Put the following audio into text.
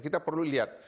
kita perlu lihat